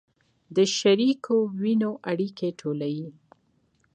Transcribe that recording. د شریکو وینو اړیکې ټولې